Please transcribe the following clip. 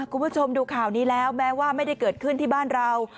คุณผู้ชมดูข่าวนี้แล้วแม้ว่าไม่ได้เกิดขึ้นที่บ้านเรา